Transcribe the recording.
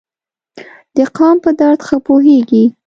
د قام په درد ښه پوهیږي.